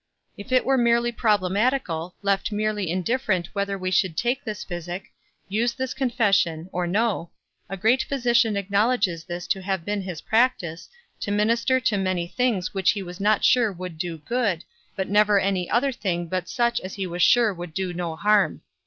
If it were merely problematical, left merely indifferent whether we should take this physic, use this confession, or no, a great physician acknowledges this to have been his practice, to minister to many things which he was not sure would do good, but never any other thing but such as he was sure would do no harm.